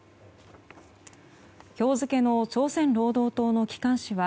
今日付の朝鮮労働党の機関紙は